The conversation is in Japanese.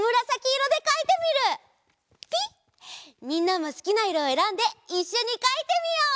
みんなもすきないろをえらんでいっしょにかいてみよう！